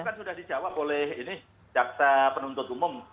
ya itu kan sudah dijawab oleh jakarta penuntut umum